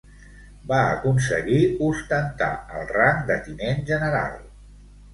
Va aconseguir ostentar el rang de tinent general.